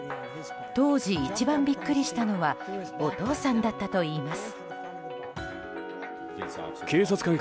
当時、一番ビックリしたのはお父さんだったといいます。